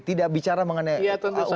tidak bicara mengenai umat beragama